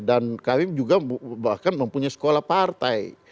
kami juga bahkan mempunyai sekolah partai